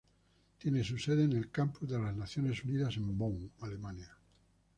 Tiene su sede en el Campus de las Naciones Unidas en Bonn, Alemania.